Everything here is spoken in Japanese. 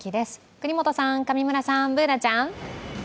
國本さん、上村さん、Ｂｏｏｎａちゃん。